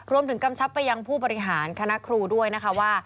รวมถึงกำชับไปยังผู้บริหารคณราคาครูด้วยนะคะ